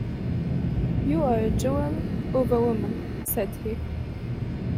"You are a jewel of a woman," said he.